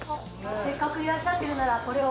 せっかくいらっしゃってるならこれを。